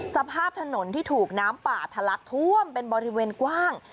สภาพถนนที่ถูกน้ำป่าทะลักท่วมเป็นบริเวณกว้าง